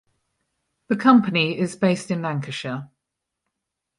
The company is based in Lancashire.